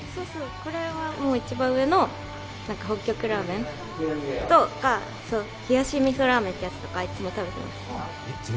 そうそう、これは一番上の北極ラーメン、冷やし味噌ラーメンってやつとか、いつも食べてます。